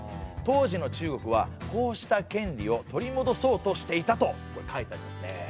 当時の中国はこうした権利を取りもどそうとしていたと書いてありますね。